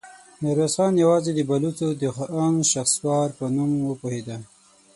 ميرويس خان يواځې د بلوڅو د خان شهسوار په نوم وپوهېد.